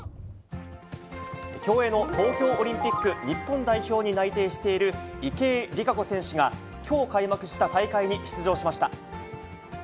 競泳の東京オリンピック日本代表に内定している池江璃花子選手が、きょう開幕した大会に出場しました。